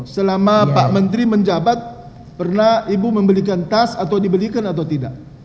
selama pak menteri menjabat pernah ibu membelikan tas atau dibelikan atau tidak